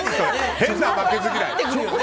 変な負けず嫌い。